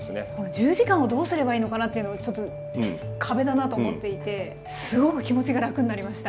１０時間をどうすればいいのかなというのちょっと壁だなと思っていてすごく気持ちが楽になりました。